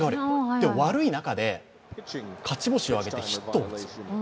でも、悪い中で勝ち星をあげてヒットを打つ。